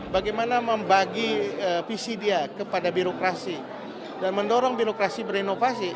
bagaimana membagi visi dia kepada birokrasi dan mendorong birokrasi berinovasi